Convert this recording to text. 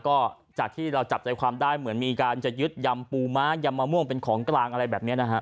ก็จากที่เราจับใจความได้เหมือนมีการจะยึดยำปูม้ายำมะม่วงเป็นของกลางอะไรแบบนี้นะฮะ